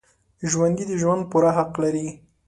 ژوندي د ژوند پوره حق لري